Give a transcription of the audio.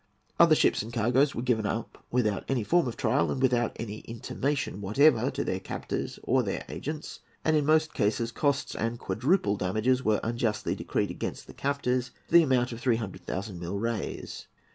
Other ships and cargoes were given up without any form of trial, and without any intimation whatever to the captors and their agents; and, in most cases, costs and quadruple damages were unjustly decreed against the captors, to the amount of 300,000 milreis.